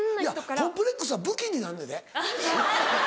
コンプレックスは武器になんねんで？